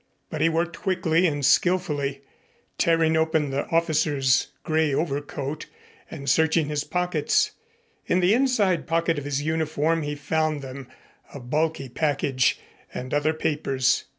But he worked quickly and skillfully, tearing open the officer's gray overcoat and searching his pockets. In the inside pocket of his uniform he found them, a bulky package, and other papers.